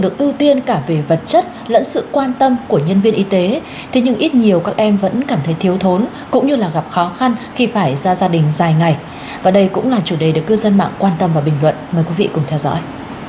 được ưu tiên cả về vật chất lẫn sự quan tâm của nhân viên y tế thế nhưng ít nhiều các em vẫn cảm thấy thiếu thốn cũng như là gặp khó khăn khi phải ra gia đình dài ngày và đây cũng là chủ đề được cư dân mạng quan tâm và bình luận mời quý vị cùng theo dõi